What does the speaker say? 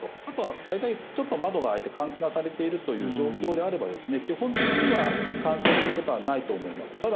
あとは大体ちょっと窓が開いて換気がされているという状況であれば基本的には感染することはないと思います。